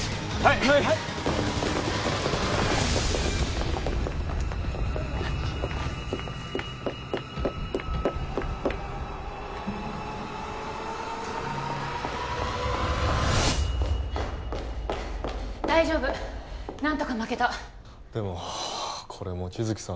はい大丈夫何とかまけたでもこれ望月さん